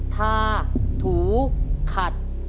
ทาถูขัด